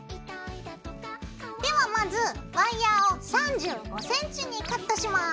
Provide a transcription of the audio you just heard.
ではまずワイヤーを３５ｃｍにカットします。